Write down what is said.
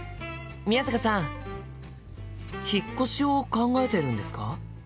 引っ越しを考えてるんですか？